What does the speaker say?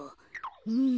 うん。